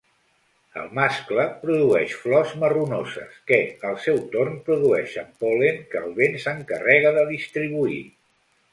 El mascle produeix flors marronoses que, al seu torn, produeixen pol·len que el vent s'encarrega de distribuir.